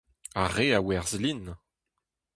Ar re a werzh lin.